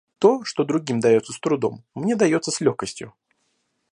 То, что другим дается с трудом, мне дается с легкостью.